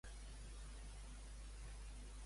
On van anar Icari i Tindàreu?